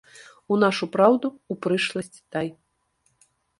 У нашу праўду, у прышласць дай.